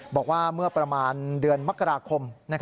บอกว่าเมื่อประมาณเดือนมกราคม